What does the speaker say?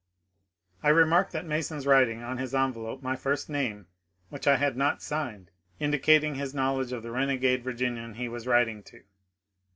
I remarked that Mason's writing on his envelope my first name, which I had not signed, indicated his knowledge of the renegade Virginian he was writing to.